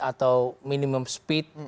atau minimum speed